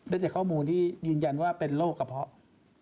ได้จากข้อมูลที่ยืนยันว่าเป็นโรคกระเพาะ